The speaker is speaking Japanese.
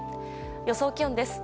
予想気温です。